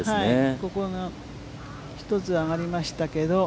ここが１つ上がりましたけど。